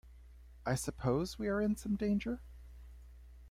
I suppose we are in some danger?